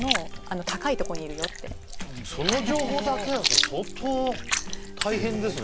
一応その情報だけだと相当大変ですね